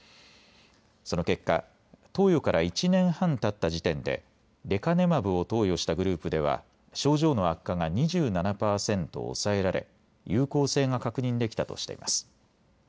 その結果、投与から１年半たった時点でレカネマブを投与したグループでは症状の悪化が２７％抑えられ有効性が確認できたとしています。